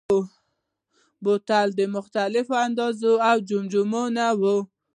بوتل د مختلفو اندازو او حجمونو وي.